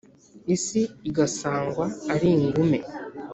Isi igasangwa ari ingume,